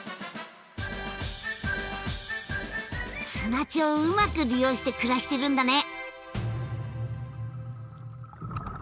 砂地をうまく利用して暮らしてるんだね！